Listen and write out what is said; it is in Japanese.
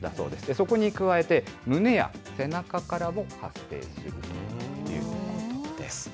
そこに加えて、胸や背中からも発生しているということです。